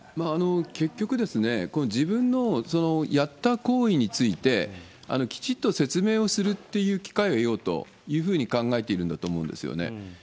結局、自分のやった行為について、きちっと説明をするっていう機会を得ようというふうに考えているんだと思うんですよね。